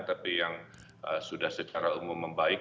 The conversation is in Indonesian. tapi yang sudah secara umum membaik